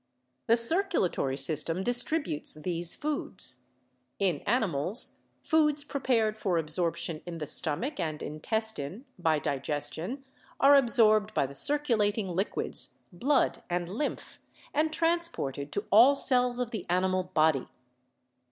The circulatory system distributes these foods. In ani mals foods prepared for absorption in the stomach and intestine (by digestion) are absorbed by the circulating liquids (blood and lymph) and transported to all cells of the animal body.